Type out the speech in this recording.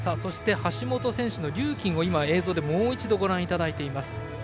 橋本選手のリューキンを映像でもう一度ご覧いただいています。